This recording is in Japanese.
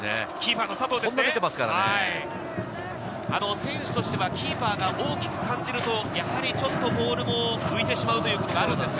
選手としてはキーパーが大きく感じると、やはりちょっとボールも浮いてしまうということがあるんですか？